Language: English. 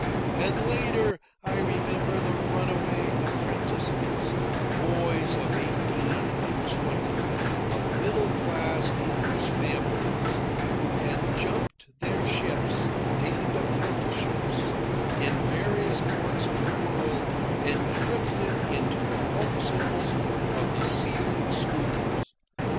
And, later, I remember the runaway apprentices boys of eighteen and twenty, of middle class English families, who had jumped their ships and apprenticeships in various ports of the world and drifted into the forecastles of the sealing schooners.